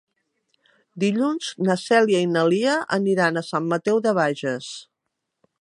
Dilluns na Cèlia i na Lia aniran a Sant Mateu de Bages.